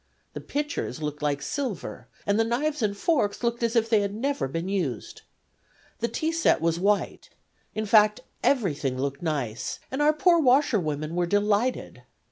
The pitchers looked like silver and the knives and forks looked as if they had never been used. The tea set was white in fine, everything looked nice, and our poor washwomen were delighted.